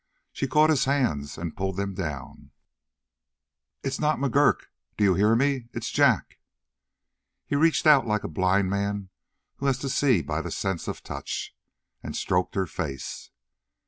She caught his hands and pulled them down. "It's not McGurk! Don't you hear me? It's Jack!" He reached out, like a blind man who has to see by the sense of touch, and stroked her face.